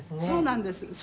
そうなんです。